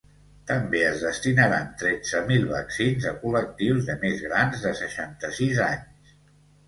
També es destinaran tretze mil vaccins a col·lectius de més grans de seixanta-sis anys.